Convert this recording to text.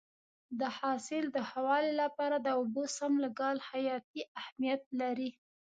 د حاصل د ښه والي لپاره د اوبو سم لګول حیاتي اهمیت لري.